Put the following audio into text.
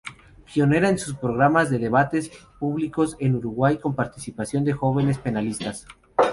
Pionera en programas de debates públicos en Uruguay con participación de jóvenes panelistas.